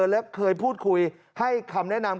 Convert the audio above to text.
และเคยพูดคุยให้คำแนะนำ